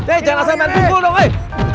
eh jangan sampai tunggu dong eh